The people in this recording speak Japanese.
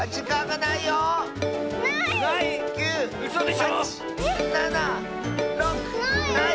ない！